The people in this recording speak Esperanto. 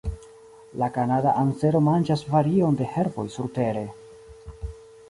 La Kanada ansero manĝas varion de herboj surtere.